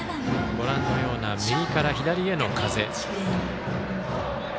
ご覧のような右から左への風。